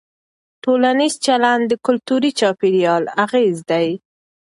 ټولنیز چلند د کلتوري چاپېریال اغېز دی.